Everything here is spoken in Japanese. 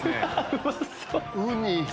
うまそう！